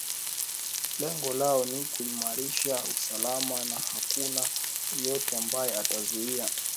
lengo lao ni kuimarisha usalama na hakuna yeyote ambaye atazuiwa